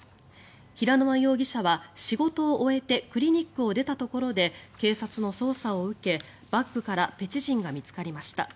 平沼容疑者は仕事を終えてクリニックを出たところで警察の捜査を受け、バッグからペチジンが見つかりました。